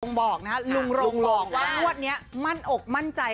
บอกนะฮะลุงโรงบอกว่างวดนี้มั่นอกมั่นใจ